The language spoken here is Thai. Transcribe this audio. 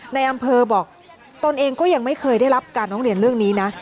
ในอำเภอบอกตนเองก็ยังไม่เคยได้รับการร้องเรียนเรื่องนี้นะ